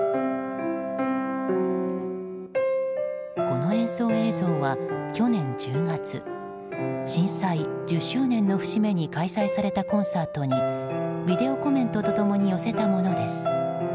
この演奏映像は、去年１０月震災１０周年の節目に開催されたコンサートにビデオコメントと共に寄せたものです。